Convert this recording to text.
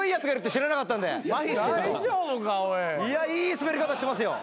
いやいいスベり方してますよ。